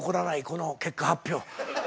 この結果発表。